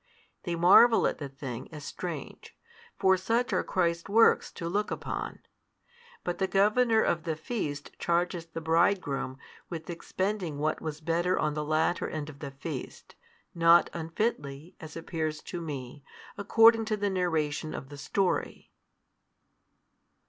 They marvel at the thing, as strange; for such are Christ's works to look upon. But the governor of the feast charges the bridegroom with expending what was better on the latter end of the feast, not unfitly, as appears to me, according to the narration of the story.